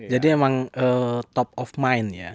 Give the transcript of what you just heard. jadi emang top of mind ya